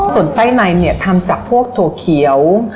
ส่วนไส้ในเนี่ยทำจากพวกถั่วเขียว